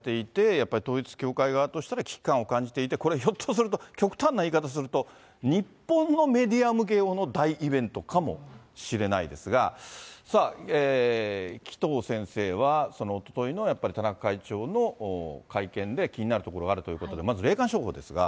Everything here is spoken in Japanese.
これで日本でかなり報道されていて、やっぱり統一教会側としたら、危機感を感じていて、これひょっとすると、極端な言い方すると、日本のメディア向け用の大イベントかもしれないですが、さあ、紀藤先生は、そのおとといの田中会長の会見で気になるところがあるということで、まず霊感商法ですが。